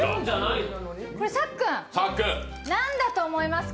さっくん何だと思いますか？